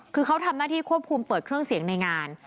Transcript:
คือเขาทำหน้าที่ควบคุมเปิดเครื่องเสียงในงาน